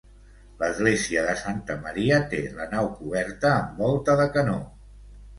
L'església de Santa Maria té la nau coberta amb volta de canó.